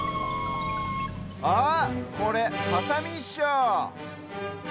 あっこれハサミっしょ！